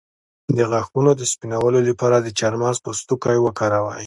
د غاښونو د سپینولو لپاره د چارمغز پوستکی وکاروئ